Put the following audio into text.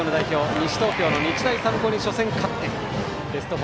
西東京の日大三高に初戦勝ってベスト４。